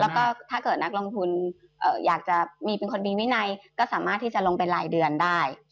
แล้วก็ถ้าเกิดนักลงทุนอยากจะมีเป็นคนมีวินัยก็สามารถที่จะลงไปรายเดือนได้